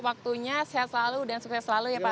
waktunya sehat selalu dan sukses selalu ya pak